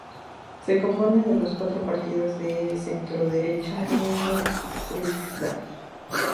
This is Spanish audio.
Se compone de los cuatro partidos de centroderecha en el Riksdag.